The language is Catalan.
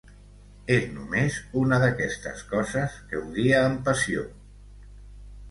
És només una d'aquestes coses que odia amb passió.